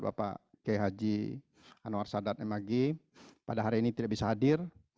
bapak k h anwar sadat mag pada hari ini tidak bisa hadir